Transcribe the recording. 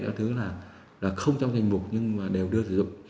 các thứ là không trong thành mục nhưng mà đều đưa sử dụng